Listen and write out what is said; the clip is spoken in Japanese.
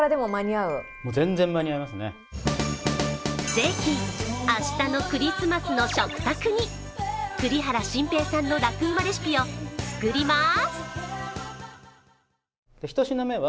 ぜひ、明日のクリスマスの食卓に栗原心平さんのラクうまレシピを作ります。